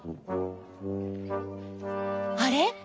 あれ？